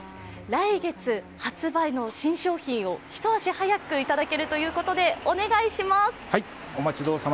来月発売の新商品を一足早くいただけるということで、お願いします。